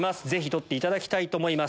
取っていただきたいと思います。